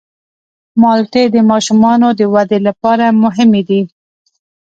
مالټې د ماشومانو د ودې لپاره مهمې دي.